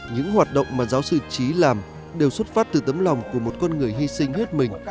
những hoạt động mà giáo sư trí làm đều xuất phát từ tấm lòng của một con người hy sinh hết mình